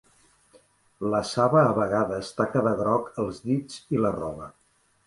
La saba a vegades taca de groc els dits i la roba.